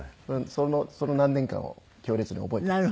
その何年間を強烈に覚えています。